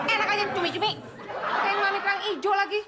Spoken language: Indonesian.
enak aja cumi cumi pakein mami kerang ijo lagi